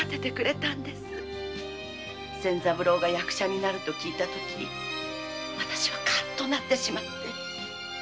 仙三郎が役者になると聞いたとき私はカッとなってしまって。